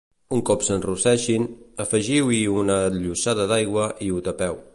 Un cop s'enrosseixin, afegiu-hi una llossada d'aigua i ho tapeu.